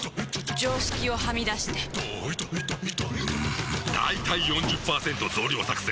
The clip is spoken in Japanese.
常識をはみ出してんだいたい ４０％ 増量作戦！